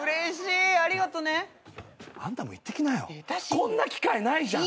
こんな機会ないじゃん。